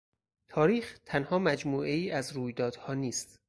تاریخ تنها مجموعهای از رویدادها نیست.